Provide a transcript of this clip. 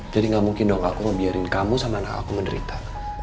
jadi gak mungkin dong aku membiarkan kamu sama anak aku menderita